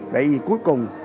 vậy thì cuối cùng